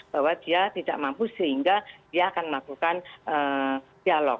bahwa dia tidak mampu sehingga dia akan melakukan dialog